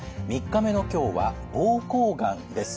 ３日目の今日は膀胱がんです。